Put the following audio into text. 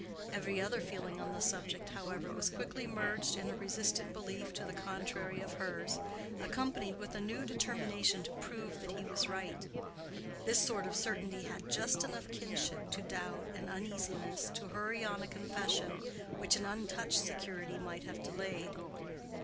Every other feeling on the subject, however, was quickly merged in a resistant belief to the contrary of hers, accompanied with a new determination to prove that he was right. This sort of certainty had just enough kinship to doubt and uneasiness to hurry on a confession which an untouched security might have delayed.